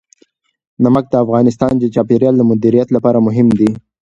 نمک د افغانستان د چاپیریال د مدیریت لپاره مهم دي.